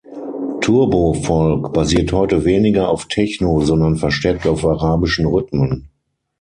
Turbo-Folk basiert heute weniger auf Techno, sondern verstärkt auf arabischen Rhythmen.